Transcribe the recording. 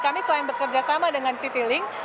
kami selain bekerja sama dengan citylink